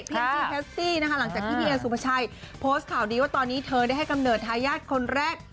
ซี่แพสซี่นะคะหลังจากที่พี่เอสุภาชัยโพสต์ข่าวดีว่าตอนนี้เธอได้ให้กำเนิดทายาทคนแรก